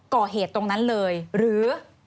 ก่อเหตุตรงนั้นเลยหรือ